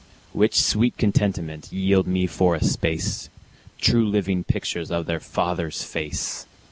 Which sweet contentment yield me for a space, True living pictures of their father's face.